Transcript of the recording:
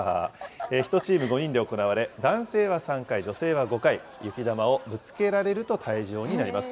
１チーム５人で行われ、男性は３回、女性は５回、雪玉をぶつけられると退場になります。